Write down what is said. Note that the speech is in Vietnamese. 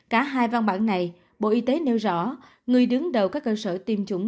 cả hai văn bản này bộ y tế nêu rõ người đứng đầu các cơ sở tiêm chủng